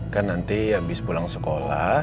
kan nanti habis pulang sekolah